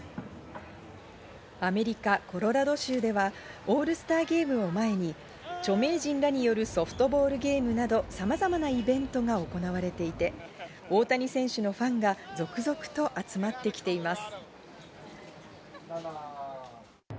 アメリカ・コロラド州ではオールスターゲームを前に著名人らによるソフトボールゲームなど様々なイベントが行われていて、大谷選手のファンが続々と集まってきています。